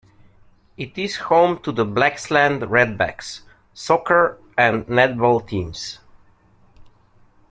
It is home to the "Blaxland Redbacks" soccer and netball teams.